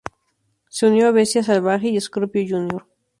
Se unió a Bestia Salvaje y Scorpio Jr.